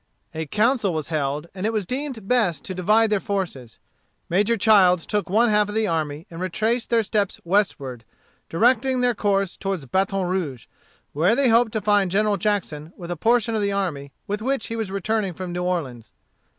A council was held, and it was deemed best to divide their forces. Major Childs took one half of the army and retraced their steps westward, directing their course toward Baton Rouge, where they hoped to find General Jackson with a portion of the army with which he was returning from New Orleans.